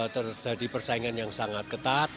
terjadi persaingan yang sangat ketat